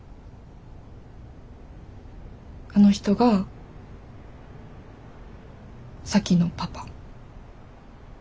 あの人が咲妃のパパ。